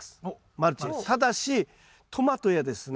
ただしトマトやですね